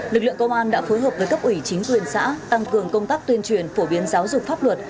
lực lượng công an đã phối hợp với cấp ủy chính quyền xã tăng cường công tác tuyên truyền phổ biến giáo dục pháp luật